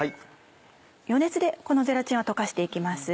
余熱でこのゼラチンは溶かして行きます。